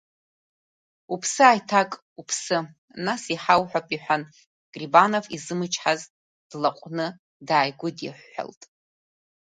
Уԥсы ааиҭак, уԥсы, нас иҳауҳәап, – иҳәан Грибанов, изымчҳазт длаҟәны дааигәыдиҳәҳәалт.